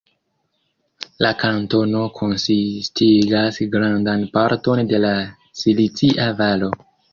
La kantono konsistigas grandan parton de la Silicia Valo.